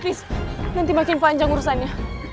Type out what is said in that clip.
fish nanti makin panjang urusannya